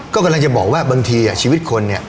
ก็กำลังจะบอกว่าบางทีชีวิตคนเนี่ย